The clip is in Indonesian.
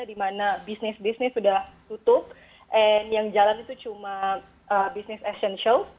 dimana bisnis bisnis sudah tutup dan yang jalan itu cuma bisnis asian show